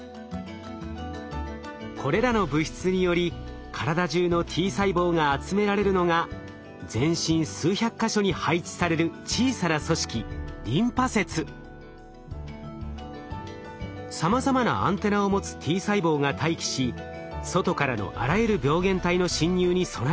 これらの物質により体じゅうのＴ細胞が集められるのが全身数百か所に配置される小さな組織さまざまなアンテナを持つＴ細胞が待機し外からのあらゆる病原体の侵入に備えることができるのです。